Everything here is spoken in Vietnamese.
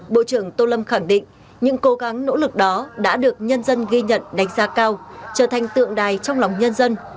bộ trưởng tô lâm khẳng định những cố gắng nỗ lực đó đã được nhân dân ghi nhận đánh giá cao trở thành tượng đài trong lòng nhân dân